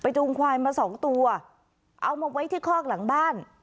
จูงควายมาสองตัวเอามาไว้ที่คอกหลังบ้าน